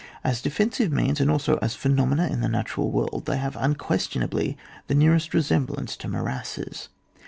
As defensive means and also as phenomena in the natural world they have unquestionably the nearest resem blance to morasses.